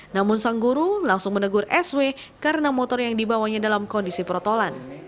namun sang guru langsung menegur sw karena motor yang dibawanya dalam kondisi protolan